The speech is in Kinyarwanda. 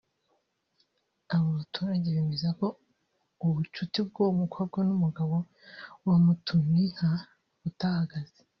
Abo baturage bemeza ko ubucuti bw’uwo mukobwa n’umugabo wa Mutumwinka butahagaze